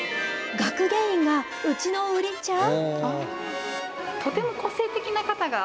学芸員がうちの売りちゃう？